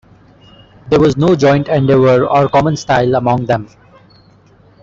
There was no joint endeavor or common style among them.